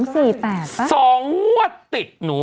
๒๔๘ป่ะ๒มวตติดหนู